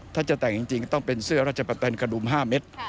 ถ้าจะแต่งจริงต้องเป็นเสื้อราชปะแตนกระดุม๕เม็ด